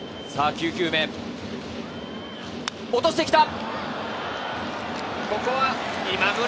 ９球目、落としてきた。